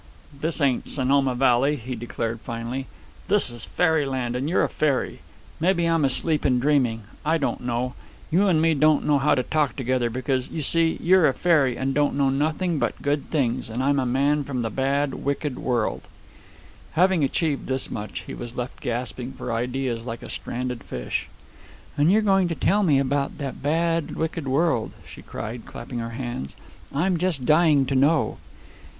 "This ain't Sonoma Valley," he declared finally. "This is fairy land, and you're a fairy. Mebbe I'm asleep and dreaming. I don't know. You and me don't know how to talk together, because, you see, you're a fairy and don't know nothing but good things, and I'm a man from the bad, wicked world." Having achieved this much, he was left gasping for ideas like a stranded fish. "And you're going to tell me about the bad, wicked world," she cried, clapping her hands. "I'm just dying to know."